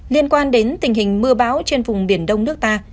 liên quan đến tình hình mưa bão trên vùng biển đông nước ta